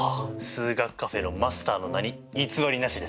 数学カフェのマスターの名に偽りなしですね。